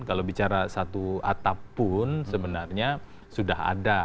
kalau bicara satu atap pun sebenarnya sudah ada